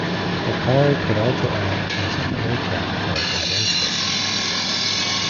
The car could also act as an aircraft tug at airports.